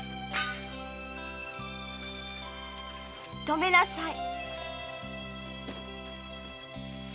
停めなさい。